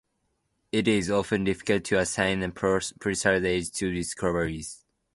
It is often difficult to assign a precise age to discoveries.